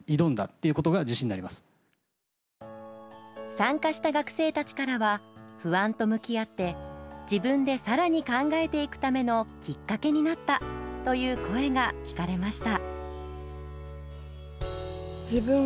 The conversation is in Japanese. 参加した学生たちからは不安と向き合って自分でさらに考えていくためのきっかけになったという声が聞かれました。